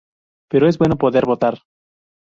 Pero es bueno poder votar.